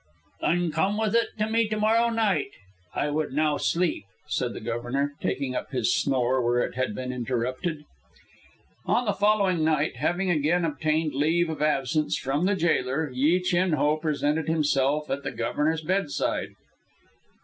"Then come with it to me to morrow night; I would now sleep," said the Governor, taking up his snore where it had been interrupted. On the following night, having again obtained leave of absence from the jailer, Yi Chin Ho presented himself at the Governor's bedside.